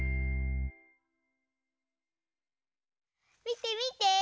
みてみて！